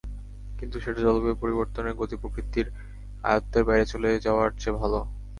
কিন্তু সেটা জলবায়ু পরিবর্তনের গতি-প্রকৃতি আয়ত্তের বাইরে চলে যাওয়ার চেয়ে ভালো।